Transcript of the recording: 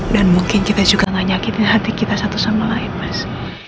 dan mungkin kita juga gak nyakitin hati kita satu sama lain mas